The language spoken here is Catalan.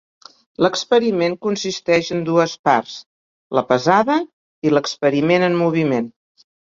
L'experiment consisteix en dues parts: la pesada i l'experiment en moviment.